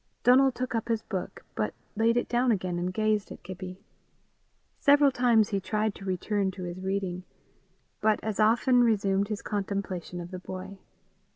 Donal took up his book, but laid it down again and gazed at Gibbie. Several times he tried to return to his reading, but as often resumed his contemplation of the boy.